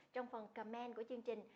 trong phần comment của chương trình